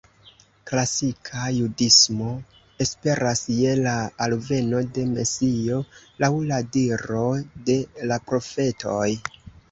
Klasika Judismo esperas je la alveno de Mesio, laŭ la diro de la profetoj.